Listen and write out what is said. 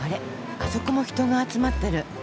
あそこも人が集まってる。